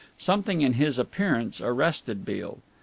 Something in his appearance arrested Beale.